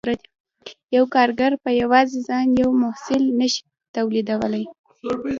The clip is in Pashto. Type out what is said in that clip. یو کارګر په یوازې ځان یو محصول نشي تولیدولی